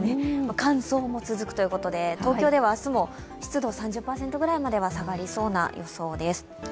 乾燥も続くということで、東京では明日も湿度３０％ぐらいまでは下がりそうな予想です。